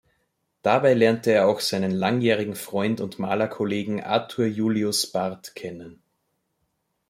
Dabei lernte er auch seinen langjährigen Freund und Malerkollegen Arthur Julius Barth kennen.